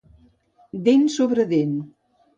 Dent sobre dent.